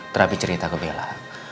terapi cerita ke bella